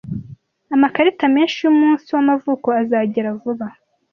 Amakarita menshi yumunsi w'amavuko azagera vuba.